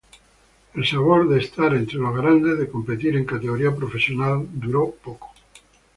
El sabor de estar entre los grandes, de competir en categoría profesional, duró poco.